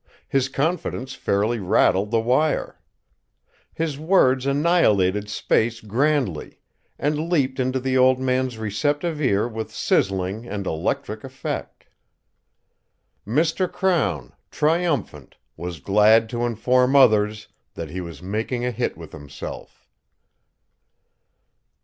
His confidence fairly rattled the wire. His words annihilated space grandly and leaped into the old man's receptive ear with sizzling and electric effect. Mr. Crown, triumphant, was glad to inform others that he was making a hit with himself.